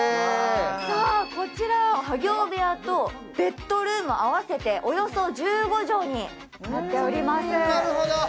こちら作業部屋とベッドルーム合わせておよそ１５畳になってます。